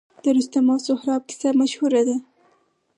د رستم او سهراب کیسه مشهوره ده